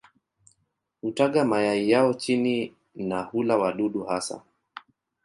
Hutaga mayai yao chini na hula wadudu hasa.